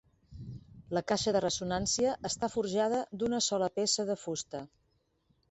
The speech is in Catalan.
La caixa de ressonància està forjada d'una sola peça de fusta.